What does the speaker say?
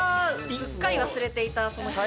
すっかり忘れていたその機能を。